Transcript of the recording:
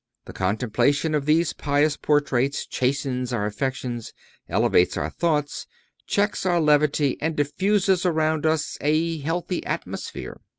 The contemplation of these pious portraits chastens our affections, elevates our thoughts, checks our levity and diffuses around us a healthy atmosphere.